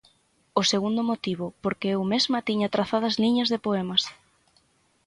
O segundo motivo, porque eu mesma tiña trazadas liñas de poemas.